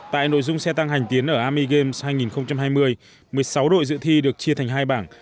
tại nội dung xe tăng hành tiến ở army games hai nghìn hai mươi một mươi sáu đội dự thi được chia thành hai bảng